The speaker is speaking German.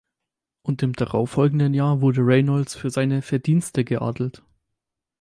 Und im darauffolgenden Jahr wurde Reynolds für seine Verdienste geadelt.